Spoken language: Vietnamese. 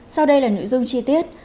sau đây là nội dung chi tiết